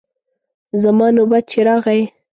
زما نوبت چې راغی.